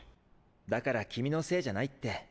だから君のせいじゃないって。